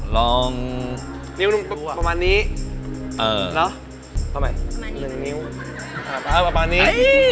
ลองประมาณนี้เออเอาใหม่อี๊